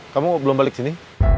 kamu belum balik sini